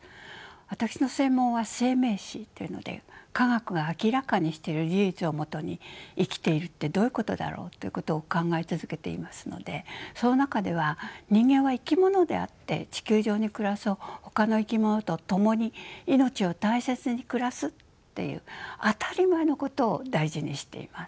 私の専門は「生命誌」というので科学が明らかにしてる事実をもとに「生きているってどういうことだろう」ということを考え続けていますのでその中では「人間は生き物であって地球上に暮らすほかの生き物と共に命を大切に暮らす」っていう当たり前のことを大事にしています。